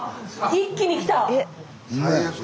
一気に来た！